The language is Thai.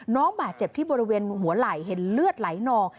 น้องบาดเจ็บที่บริเวณหัวไหล่เห็นเลือดไหลนอง